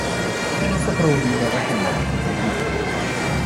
У нас сапраўды нават няма такой традыцыі.